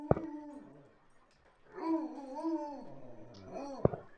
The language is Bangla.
সরকার দরিদ্রদের সুরক্ষা তো দূরের কথা, তাদের প্রতি তেমন নজরই দিচ্ছে না।